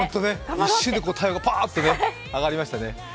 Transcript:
一瞬で体温がパッと上がりましたね。